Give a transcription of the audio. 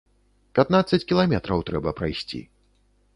Пятнаццаць кіламетраў трэба прайсці.